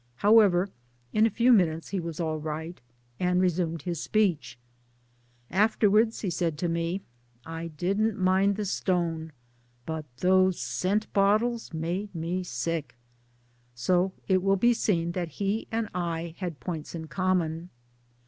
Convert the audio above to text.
However in a few minutes he was all right, and resumed his speech. Afterwards he said to me " I didn't mind' the stone ; but those scent bottles made me sick !" So it will be seen that he and I had points in common